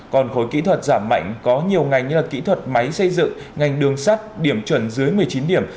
còn khối kỹ thuật giảm mạnh có nhiều ngành như kỹ thuật máy xây dựng ngành đường sắt điểm chuẩn dưới một mươi chín điểm